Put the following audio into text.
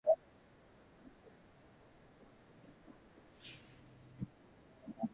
Some enthusiasts have transplanted Variax electronics and hardware into different instruments.